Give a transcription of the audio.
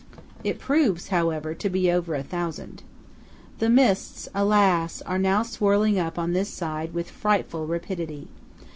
It proves, however, to be over a thousand. The mists, alas! are now swirling up on this side with frightful rapidity.